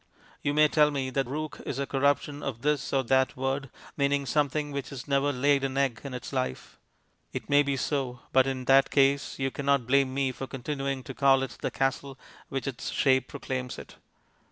You may tell me that "rook" is a corruption of this or that word, meaning something which has never laid an egg in its life. It may be so, but in that case you cannot blame me for continuing to call it the castle which its shape proclaims it.